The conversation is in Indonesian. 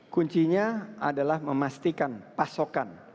kuncinya adalah memastikan pasokan